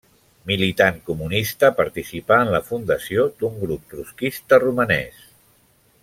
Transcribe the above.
Militant comunista, participà en la fundació d'un grup trotskista romanès.